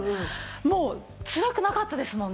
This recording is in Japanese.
もうつらくなかったですもんね。